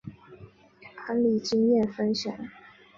案例经验分享